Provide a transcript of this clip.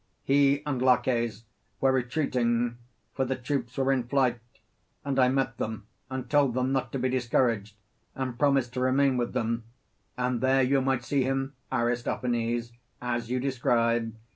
He and Laches were retreating, for the troops were in flight, and I met them and told them not to be discouraged, and promised to remain with them; and there you might see him, Aristophanes, as you describe (Aristoph.